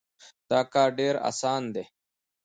دا کار ډېر اسان دی.